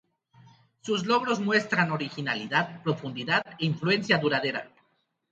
Sus logros muestran originalidad, profundidad e influencia duradera.